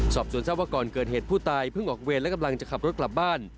สอบส่วนทราบว่าก่อนเกิดเหตุผู้ตายเพิ่งออกเวรและกำลังจะขับรถกลับบ้าน